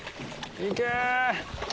行け！